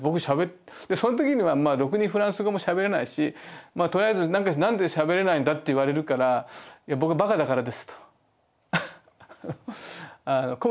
でその時にはろくにフランス語もしゃべれないしとりあえず「なんでしゃべれないんだ」って言われるから「僕バカだからです」と。アハハッ。